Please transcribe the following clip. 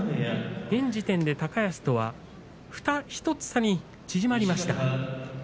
現時点で高安とは１つ差に縮まりました。